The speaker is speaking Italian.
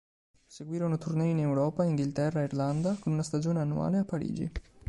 Seguirono tournée in Europa, Inghilterra e Irlanda, con una stagione annuale a Parigi.